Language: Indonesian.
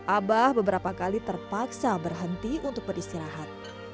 abah beberapa kali terpaksa berhenti untuk beristirahat